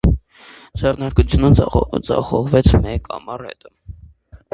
Ձեռնարկությունը ձախողվեց մեկ ամառ հետո։